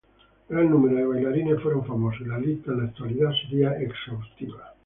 Gran número de bailarines fueron famosos y la lista en la actualidad sería exhaustiva.